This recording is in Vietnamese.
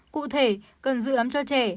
cụ thể cần giữ ấm cho trẻ